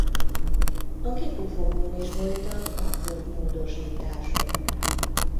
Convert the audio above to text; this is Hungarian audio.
A kipufogón is voltak apróbb módosítások.